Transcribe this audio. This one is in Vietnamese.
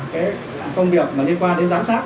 công việc liên quan đến giám sát